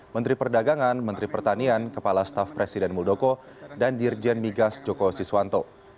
menteri perdagangan menteri pertanian kepala staf presiden muldoko dan dirjen migas joko siswanto